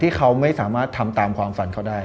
ที่เขาไม่สามารถทำตามความฝันเขาได้